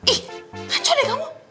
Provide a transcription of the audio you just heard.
ih ngancur deh kamu